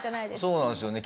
そうなんですよね。